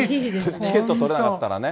チケット取れなかったらね。